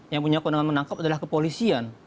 yang punya kewenangan menangkap adalah kepolisian